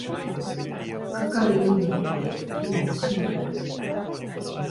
かかる意味において美も真である。